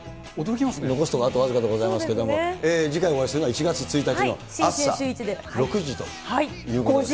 残すところあと僅かでございますけれども、次回、お会いするのは１月１日の朝６時ということで。